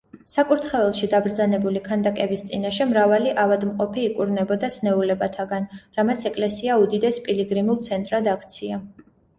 საკურთხეველში დაბრძანებული ქანდაკების წინაშე მრავალი ავადმყოფი იკურნებოდა სნეულებათაგან, რამაც ეკლესია უდიდეს პილიგრიმულ ცენტრად აქცია.